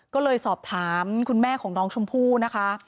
ก็เลยสอบถามคุณแม่ของน้องชมพู่นะคะ